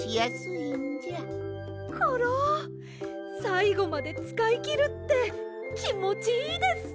さいごまでつかいきるってきもちいいです！